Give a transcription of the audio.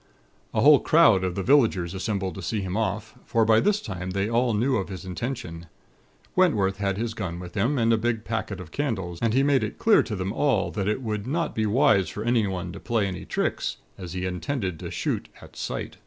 "A whole crowd of the villagers assembled to see him off; for by this time they all knew of his intention. Wentworth had his gun with him, and a big packet of candles; and he made it clear to them all that it would not be wise for anyone to play any tricks; as he intended to shoot 'at sight.'